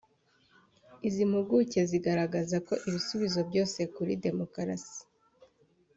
Izi mpuguke zigaragaza ko ibisubizo byose kuri Demokarasi